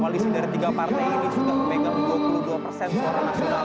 koalisi dari tiga partai ini sudah memegang dua puluh dua persen suara nasional